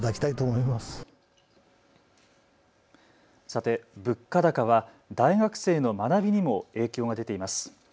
さて、物価高は大学生の学びにも影響が出ています。